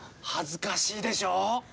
恥ずかしいでしょう？